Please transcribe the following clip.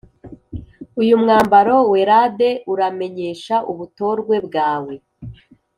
Uyu mwambaro werade uramenyesha ubutorwe bwawe